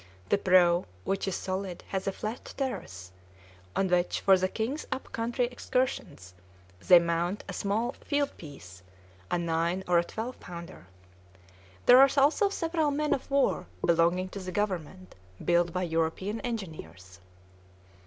The prow, which is solid, has a flat terrace, on which, for the king's up country excursions, they mount a small field piece, a nine or a twelve pounder. There are also several men of war belonging to the government, built by European engineers.